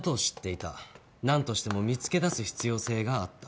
なんとしても見つけ出す必要性があった。